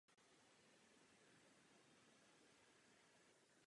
Existuje bohužel řada věcí, s nimiž nesouhlasíme.